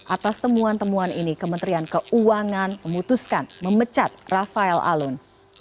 atas temuan temuan ini kementerian keuangan memutuskan memecat rafael alun